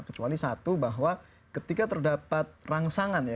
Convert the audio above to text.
kecuali satu bahwa ketika terdapat rangsangan ya